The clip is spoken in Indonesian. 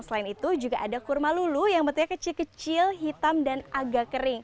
selain itu juga ada kurma lulu yang bentuknya kecil kecil hitam dan agak kering